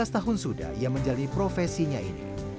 sebelas tahun sudah yang menjalani profesinya ini